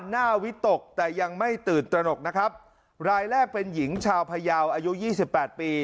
หน้าวิตกแต่ยังไม่ตื่นตระหนกนะครับรายแรกเป็นหญิงชาวพยาวอายุยี่สิบแปดปี